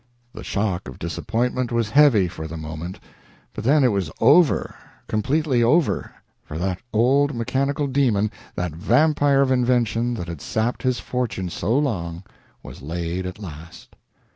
The shock of disappointment was heavy for the moment, but then it was over completely over for that old mechanical demon, that vampire of invention that had sapped his fortune so long, was laid at last.